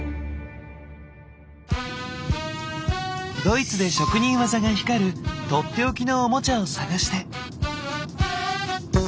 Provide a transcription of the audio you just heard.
ドイツで職人技が光る取って置きのオモチャを探して。